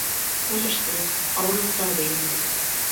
Тырыштыҡ, ауырлыҡтарҙы еңдек.